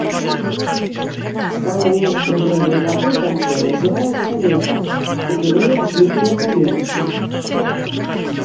Самы нізкі ўзровень вады ў рацэ назіраецца летам, у перыяд з ліпеня па верасень.